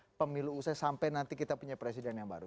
pemilu usai sampai nanti kita punya presiden yang baru